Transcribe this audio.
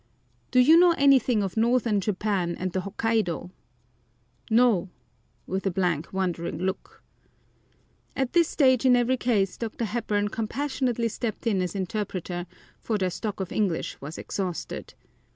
Do you know anything of Northern Japan and the Hokkaido? "No," with a blank wondering look. At this stage in every case Dr. Hepburn compassionately stepped in as interpreter, for their stock of English was exhausted.